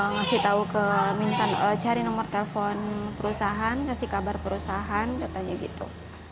ngasih tahu ke cari nomor telepon perusahaan ngasih kabar perusahaan katanya gitu